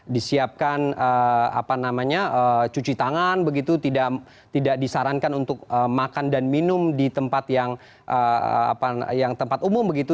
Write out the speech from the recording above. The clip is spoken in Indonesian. disiapkan cuci tangan begitu tidak disarankan untuk makan dan minum di tempat yang tempat umum begitu